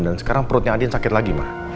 dan sekarang perutnya andien sakit lagi ma